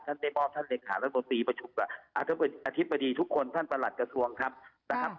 ท่านเต้นบอบท่านเหล็กฐานรัฐมนตรีประชุมกับอาทิบดีทุกคนท่านประหลัดกระทรวงครับนะครับ